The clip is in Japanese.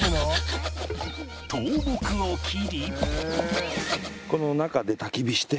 倒木を切り